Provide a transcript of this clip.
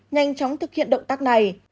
nhanh chóng thực hiện động tác này